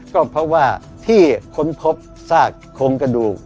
ก็เพราะว่าที่ค้นพบซากโครงกระดูก